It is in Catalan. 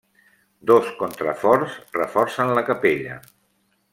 Dos contraforts reforcen la capella.